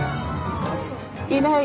いない。